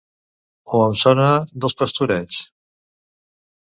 O em sona dels Pastorets?